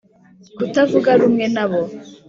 kutavuga rumwe nabo